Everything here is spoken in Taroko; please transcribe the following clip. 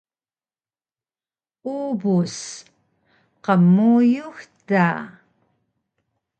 Ubus: Qmuyux da